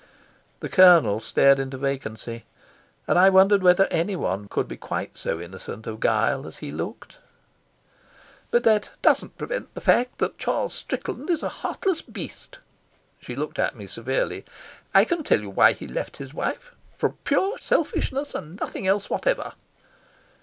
The Colonel stared into vacancy, and I wondered whether anyone could be quite so innocent of guile as he looked. "But that doesn't prevent the fact that Charles Strickland is a heartless beast." She looked at me severely. "I can tell you why he left his wife from pure selfishness and nothing else whatever."